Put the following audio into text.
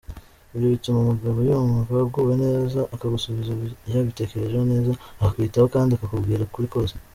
Ibyo bituma umugabo yumva aguwe neza akagusubiza yabitekerejeho neza, akakwitaho kandi akakubwira ukuri kose.